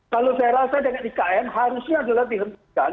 kalau saya rasa dengan ikn harusnya adalah dihentikan